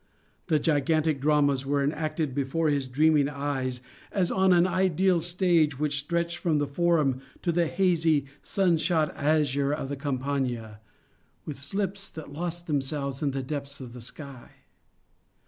The gigantic dramas were enacted before his dreaming eyes as on an ideal stage which stretched from the Forum to the hazy, sun shot azure of the Campagna, with slips that lost themselves in the depths of the sky.